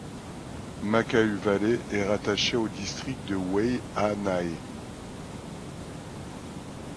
Mākahu Valley est rattachée au district de Waiʻanae.